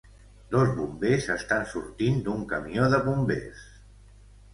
Dos bombers estan sortint d'un camió de bombers.